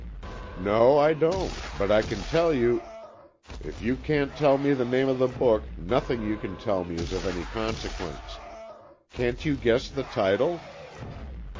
"No, I don't, but I can tell you——" "If you can't tell me the name of the book, nothing you can tell me is of any consequence. Can't you guess the title?"